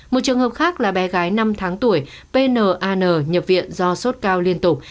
một trường hợp khác là bé gái năm tháng tuổi pnanh nhập viện do sốt cao liên tục